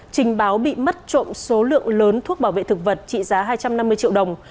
trình báo bị mất trộm số lượng lớn thuốc bảo vệ thực vật trị giá hai trăm năm mươi triệu đồng